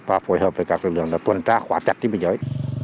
và phối hợp với các lực lượng tuần tra khóa chặt tình hình dưới